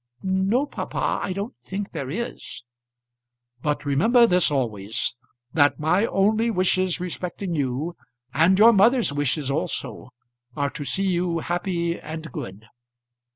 "No, papa, I don't think there is." "But remember this always; that my only wishes respecting you, and your mother's wishes also, are to see you happy and good."